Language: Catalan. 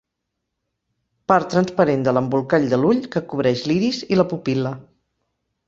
Part transparent de l'embolcall de l'ull que cobreix l'iris i la pupil·la.